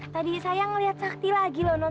tadi saya ngeliat sakti lagi loh nonton